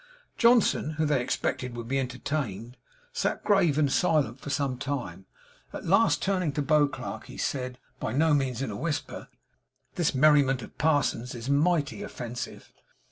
Johnson, who they expected would be entertained, sat grave and silent for some time; at last, turning to Beauclerk, he said, by no means in a whisper, 'This merriment of parsons is mighty offensive.'